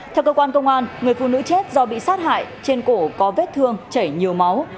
theo cơ quan công an người phụ nữ chết do bị sát hại trên cổ có vết thương chảy nhiều máu